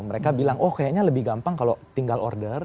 mereka bilang oh kayaknya lebih gampang kalau tinggal order